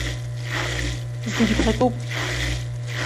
Зегьы ҳәатәуп.